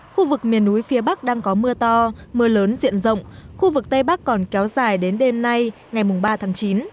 khu vực miền núi phía bắc đang có mưa to mưa lớn diện rộng khu vực tây bắc còn kéo dài đến đêm nay ngày ba tháng chín